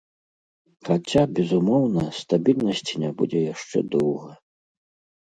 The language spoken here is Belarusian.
Хаця, безумоўна, стабільнасці не будзе яшчэ доўга.